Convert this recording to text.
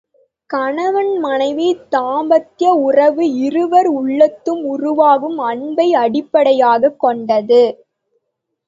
கணவன் மனைவி தாம்பத்ய உறவு இருவர் உள்ளத்தும் உருவாகும் அன்பை அடிப்படையாகக் கொண்டது.